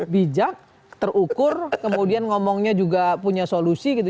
bijak terukur kemudian ngomongnya juga punya solusi gitu